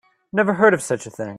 Never heard of such a thing.